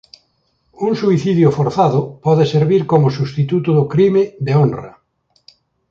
Un suicidio forzado pode servir como substituto do crime de honra.